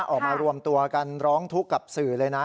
ออกมารวมตัวกันร้องทุกข์กับสื่อเลยนะ